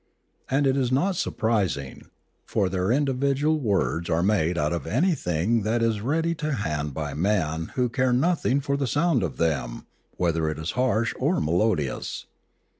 And it is not surprising; for their individual words are made out of anything that is ready to hand by men who care nothing for the sound of them, whether it is harsh or melodious.